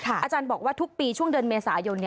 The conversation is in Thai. อาจารย์บอกว่าทุกปีช่วงเดือนเมษายน